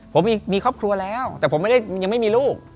ผมมีครอบครัวแล้วแต่ผมไม่ได้ยังไม่มีลูก